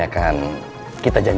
untuk menerima uang